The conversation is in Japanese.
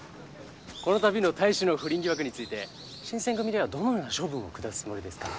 この度の隊士の不倫疑惑について新選組ではどのような処分を下すつもりですか？